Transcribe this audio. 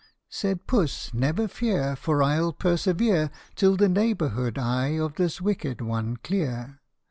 Said Puss, " Never fear, for 1 11 persevere Till the neighbourhood I of this wicked one clear."